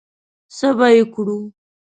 څه به یې کړو؟